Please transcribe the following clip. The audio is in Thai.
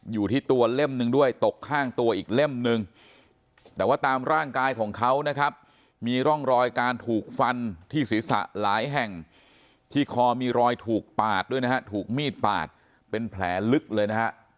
อยู่ที่ตัวเล่มหนึ่งด้วยตกข้างตัวอีกเล่มนึงแต่ว่าตามร่างกายของเขานะครับมีร่องรอยการถูกฟันที่ศีรษะหลายแห่งที่คอมีรอยถูกปาดด้วยนะฮะถูกมีดปาดเป็นแผลลึกเลยนะฮะ